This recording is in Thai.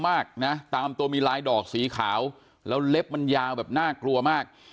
มากนะตามตัวมีลายดอกสีขาวแล้วเล็บมันยาวแบบน่ากลัวมาก